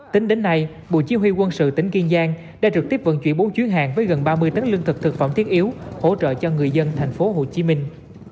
tính đến nay bộ chí huy quân sự tỉnh kiên giang đã trực tiếp vận chuyển bốn chuyến hàng với gần ba mươi tấn lương thực thực phẩm thiết yếu hỗ trợ cho người dân thành phố hồ chí minh